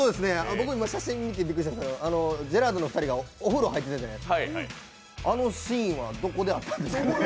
僕今写真見てびっくりしたんですけどジェラードンの２人がお風呂入ってたじゃないですか、あのシーンは、どこであったんですかね？